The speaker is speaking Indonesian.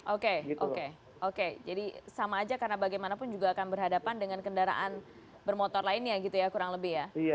oke oke oke jadi sama aja karena bagaimanapun juga akan berhadapan dengan kendaraan bermotor lainnya gitu ya kurang lebih ya